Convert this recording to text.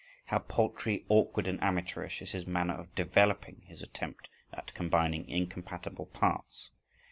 How paltry, awkward, and amateurish is his manner of "developing," his attempt at combining incompatible parts.